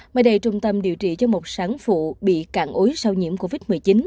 mời đầy trung tâm điều trị cho một sản phụ bị cạn ối sau nhiễm covid một mươi chín